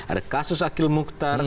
ada kasus akhil mukhtar